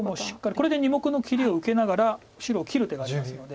これで２目の切りを受けながら白を切る手がありますので。